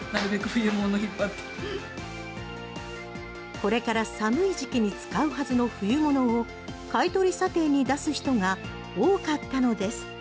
これから寒い時期に使うはずの冬物を買い取り査定に出す人が多かったのです。